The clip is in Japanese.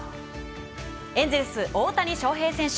エンゼルス、大谷翔平選手。